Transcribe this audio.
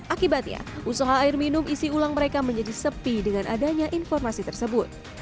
akibatnya usaha air minum isi ulang mereka menjadi sepi dengan adanya informasi tersebut